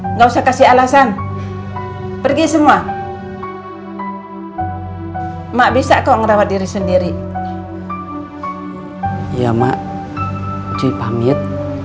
enggak usah kasih alasan pergi semua mak bisa kok ngerawat diri sendiri ya mak cuy pamit